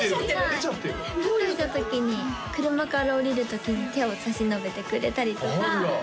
ちょっとした時に車から降りる時に手を差し伸べてくれたりとかはいあら